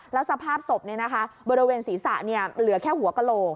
แล้วสภาพศพเนี่ยนะคะบริเวณศรีษะเนี่ยเหลือแค่หัวกะโล